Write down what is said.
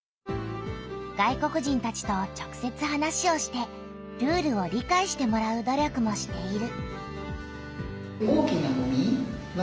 外国人たちと直せつ話をしてルールを理解してもらう努力もしている。